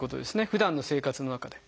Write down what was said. ふだんの生活の中で。